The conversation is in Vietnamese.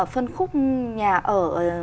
phân khúc nhà ở